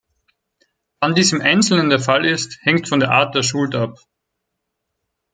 Wann dies im Einzelnen der Fall ist, hängt von der Art der Schuld ab.